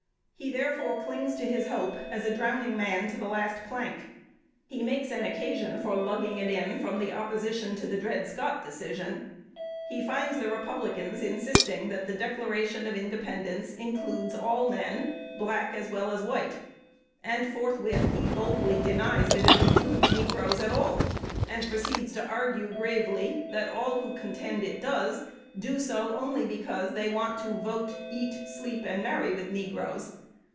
He therefore clings to his hope, as a drowning man to the last plank. He makes an occasion for lugging it in from the opposition to the Dred Scott Decision. He finds the Republicans insisting that the Declaration of Independence includes all men, black as well as white; and forthwith he boldly denies that it includes negroes at all, and proceeds to argue gravely, that all who contend it does, do so only because they want to vote, eat, sleep, and marry with negroes.